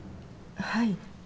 はい。